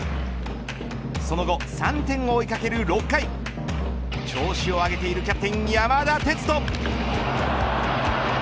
その後、３点を追い掛ける６回調子を上げているキャプテン、山田哲人。